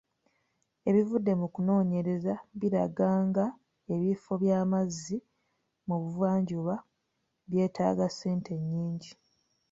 Ebivudde mu kunoonyereza biraga nga ebifo by'amazzi mu buvanjuba byetaaga ssente nnyingi.